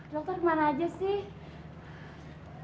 dokter kemana aja sih